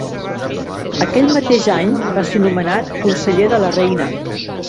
Aquell mateix any va ser nomenat conseller de la Reina.